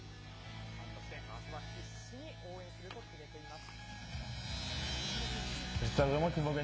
日本ファンとしてあすは必死に応援すると決めています。